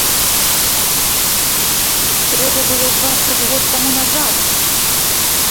Трэба было дваццаць год таму назад!